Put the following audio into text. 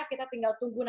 kita tinggal tunggu nanti